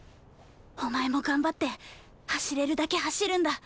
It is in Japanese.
お前も頑張って走れるだけ走るんだ。